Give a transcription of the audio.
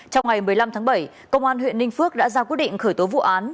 trong ngày một mươi năm tháng bảy công an huyện ninh phước đã ra quyết định khởi tố vụ án